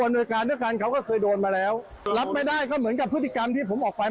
โดยการด้วยกันเขาก็เคยโดนมาแล้วรับไม่ได้ก็เหมือนกับพฤติกรรมที่ผมออกไป